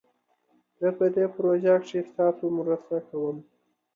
زه په دي پروژه کښي ستاسو مرسته کووم